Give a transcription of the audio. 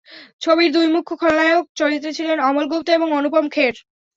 ছবির দুই মুখ্য খলনায়ক চরিত্রে ছিলেন অমল গুপ্ত এবং অনুপম খের।